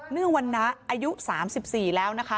ื่องวันนะอายุ๓๔แล้วนะคะ